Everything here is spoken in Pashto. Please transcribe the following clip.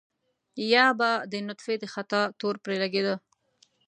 يا به د نطفې د خطا تور پرې لګېده.